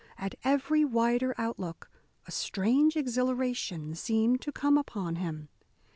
At every wider outlook a strange exhilaration seemed to come upon him.